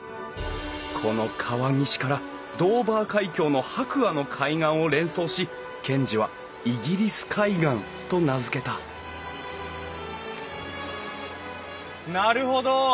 この川岸からドーバー海峡の白亜の海岸を連想し賢治はイギリス海岸と名付けたなるほど。